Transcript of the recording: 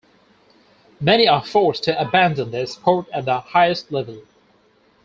Many are forced to abandon their sport at the highest level.